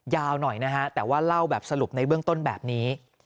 ยาวหน่อยนะฮะแต่ว่าเล่าแบบสรุปในเบื้องต้นแบบนี้